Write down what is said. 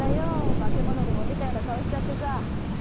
化け物でも見たような顔しちゃってさ。